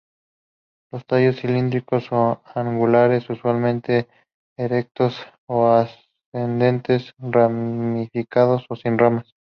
Los tallos cilíndricos o angulares, usualmente erectos o ascendentes, ramificados o sin ramas.